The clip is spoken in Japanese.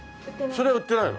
それは売ってないの。